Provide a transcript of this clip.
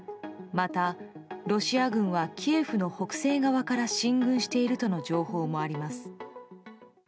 また、ロシア軍はキエフの北西側から進軍しているとの情報もあります。